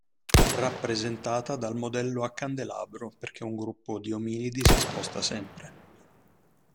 Rappresentata dal modello a candelabro perché un gruppo di ominidi si sposta sempre.